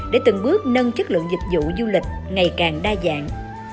để từng bước nâng chất lượng dịch vụ du lịch ngày càng đa dạng